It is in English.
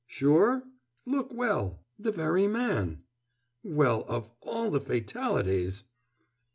"Sure? Look well!" "The very man!" "Well, of all the fatalities!"